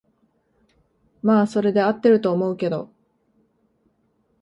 まあそれで合ってると思うけど